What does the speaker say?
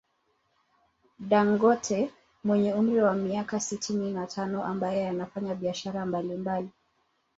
Dangote mwenye umri wa miaka sitini na tano ambaye anafanya biashara mbali mbali